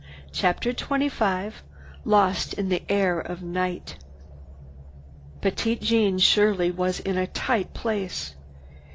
Chapter XXV LOST IN THE AIR OF NIGHT Petite Jeanne surely was in a tight place.